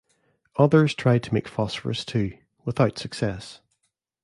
Others tried to make phosphorus too, without success.